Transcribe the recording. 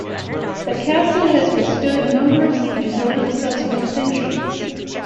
The castle has withstood a number of sieges over the subsequent centuries.